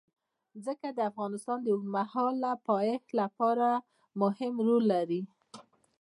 ځمکه د افغانستان د اوږدمهاله پایښت لپاره مهم رول لري.